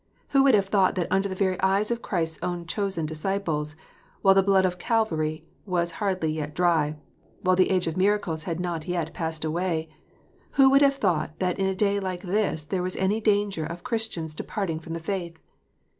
Who would have thought that under the very eyes of Christ s own chosen disciples, while the blood of Calvary was hardly yet dry, while the age of miracles had not yet passed away, who would have thought that in a day like this there was any danger of Christians departing from the faith